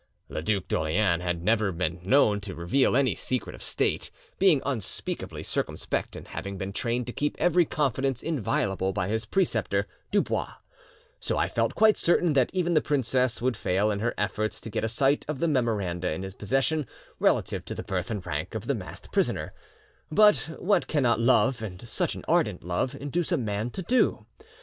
"The Duc d'Orleans had never been known to reveal any secret of state, being unspeakably circumspect, and having been trained to keep every confidence inviolable by his preceptor Dubois, so I felt quite certain that even the princess would fail in her efforts to get a sight of the memoranda in his possession relative to the birth and rank of the masked prisoner; but what cannot love, and such an ardent love, induce a man to do?